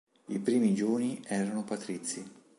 I primi Giuni erano patrizi.